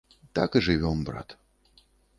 Так і жывём, брат.